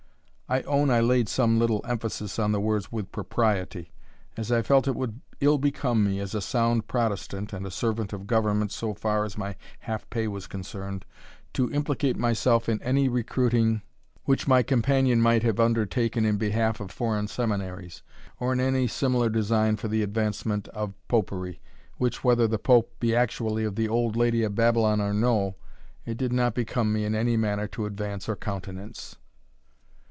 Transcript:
I own I laid some little emphasis on the words "with propriety," as I felt it would ill become me, a sound Protestant, and a servant of government so far as my half pay was concerned, to implicate myself in any recruiting which my companion might have undertaken in behalf of foreign seminaries, or in any similar design for the advancement of Popery, which, whether the Pope be actually the old lady of Babylon or no, it did not become me in any manner to advance or countenance.